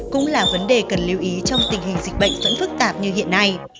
cũng là vấn đề cần lưu ý trong tình hình dịch bệnh vẫn phức tạp như hiện nay